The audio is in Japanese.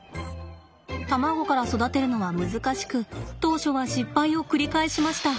卵から育てるのは難しく当初は失敗を繰り返しました。